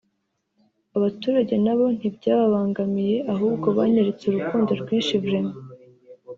abaturage nabo ntibyababangamiye ahubwo banyeretse urukundo rwinshi vraiment